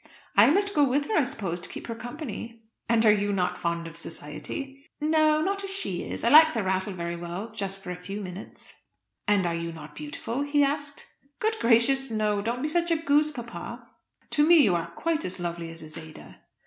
"I must go with her, I suppose, to keep her company." "And are not you fond of society?" "No; not as she is. I like the rattle very well just for a few minutes." "And are not you beautiful?" he asked. "Good gracious, no! Don't be such a goose, papa." "To me you are quite as lovely as is Ada."